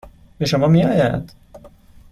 به شما میآید.